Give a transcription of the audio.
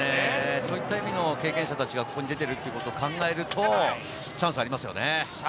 そういった意味の経験者たちがここに出てるって考えると、チャンスはありますよね。